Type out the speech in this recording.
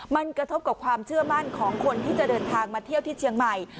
มันกระทบกับความเชื่อมั่นของคนที่จะเดินทางมาเที่ยวที่เชียงใหม่